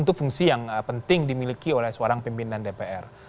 itu fungsi yang penting dimiliki oleh seorang pimpinan dpr